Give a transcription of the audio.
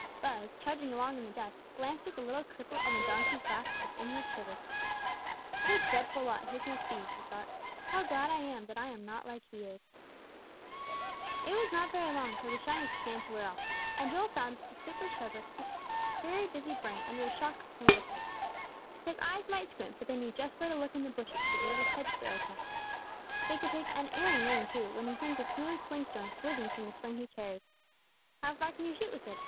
Buz, trudging along in the dust, glanced at the little cripple on the donkey's back with an inward shiver. "What a dreadful lot his must be," he thought. "How glad I am that I am not like he is!" It was not very long till the shyness began to wear off, and Joel found that the stupid shepherd lad had a very busy brain under his shock of tangled hair. His eyes might squint, but they knew just where to look in the bushes for the little hedge sparrow's nest. They could take unerring aim, too, when he sent the smooth sling stones whizzing from the sling he carried. "How far can you shoot with it?"